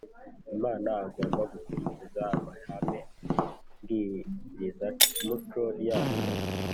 Imana agomba gukurikiza amahame mbwirizamuco yayo